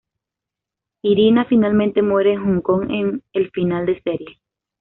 Irina finalmente muere en Hong Kong en el final de serie.